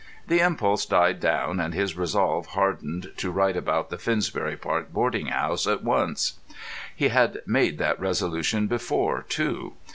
The impulse died down, and his resolve hardened to write about the Finsbury Park boarding house at once. He had made that resolution before, too.